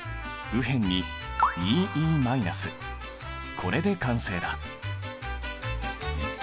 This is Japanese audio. これで完成だ！